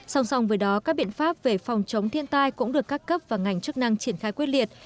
song song với đó các biện pháp về phòng chống thiên tai cũng được các cấp và ngành chức năng triển khai quyết liệt